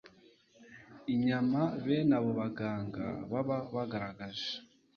inyama bene abo baganga baba bagaragaje